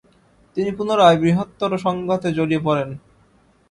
তিনি পুনরায় বৃহত্তর সংঘাতে জড়িয়ে পরেন।